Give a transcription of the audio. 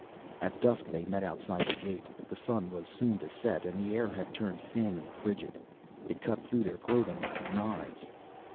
At dusk they met outside the gate. The sun was soon to set, and the air had turned thin and frigid. It cut through their clothing like knives.